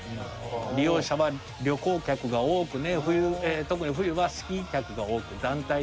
利用者は旅行客が多くね特に冬はスキー客が多く団体での利用があったと。